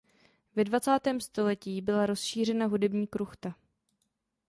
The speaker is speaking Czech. Ve dvacátém století byla rozšířena hudební kruchta.